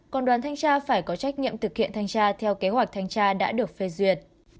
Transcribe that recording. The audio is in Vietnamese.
còn đoàn thanh tra phải có trách nhiệm thực hiện thanh tra theo kế hoạch thanh tra đã được phê duyệt